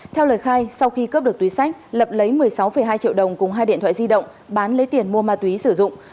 theo lời khai sau khi cướp được túi sách lập lấy một mươi sáu hai triệu đồng cùng hai điện thoại di động bán lấy tiền mua ma túy sử dụng